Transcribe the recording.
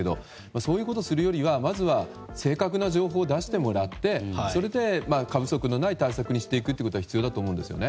そういうことをするよりはまずは正確な情報を出してもらってそれで、過不足のない対策にしていくことが必要だと思うんですよね。